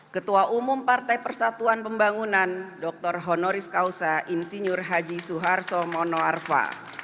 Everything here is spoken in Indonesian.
ketua umum partai persatuan pembangunan dr honoris causa insinyur haji suharto mono arfa